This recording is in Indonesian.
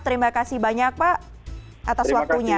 terima kasih banyak pak atas waktunya